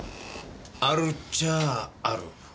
あるっちゃあある。